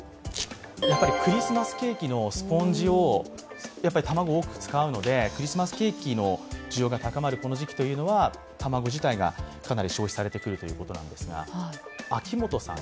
クリスマスケーキのスポンジ、卵を多く使うのでクリスマスケーキの需要が高まるこの時期というのは卵自体がかなり消費されてくるんです。